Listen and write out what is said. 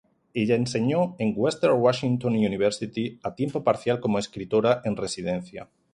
Ella enseñó en Western Washington University a tiempo parcial como escritora en residencia.